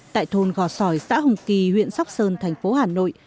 tại thôn gò sỏi xã hồng kỳ huyện sóc sơn thành phố hà nội